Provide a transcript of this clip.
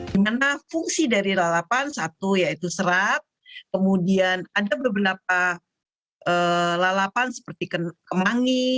dimana fungsi dari lalapan satu yaitu serap kemudian ada beberapa lalapan seperti kemangi